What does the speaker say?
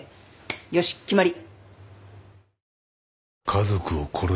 よし決まり。